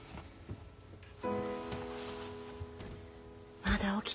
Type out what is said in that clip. まだ起きてたの？